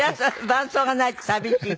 伴奏がないと寂しい。